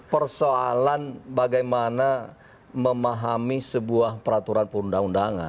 persoalan bagaimana memahami sebuah peraturan perundang undangan